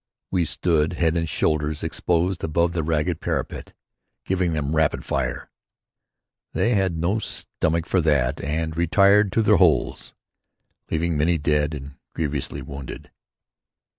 We stood, head and shoulders exposed above the ragged parapet, giving them "Rapid fire." They had no stomach for that and retired to their holes, leaving many dead and grievously wounded.